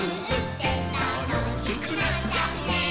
「たのしくなっちゃうね」